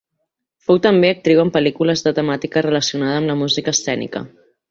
Fou també actriu en pel·lícules de temàtica relacionada amb la música escènica.